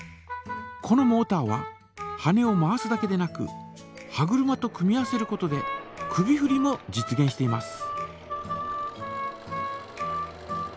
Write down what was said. このモータは羽根を回すだけでなく歯車と組み合わせることで首ふりも実げんしています。